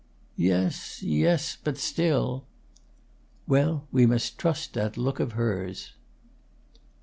"Yes yes. But still " "Well, we must trust that look of hers."